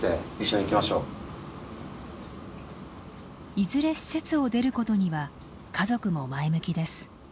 いずれ施設を出ることには家族も前向きです。